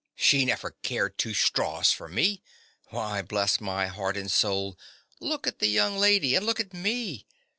She never cared two straws for me. Why, bless my heart and soul, look at the young lady and look at me.